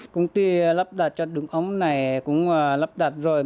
công ty lắp đặt cho đường ống này cũng lắp đặt rồi